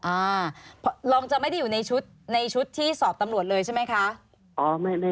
อ่าลองจะไม่ได้อยู่ในชุดในชุดที่สอบตำรวจเลยใช่ไหมคะ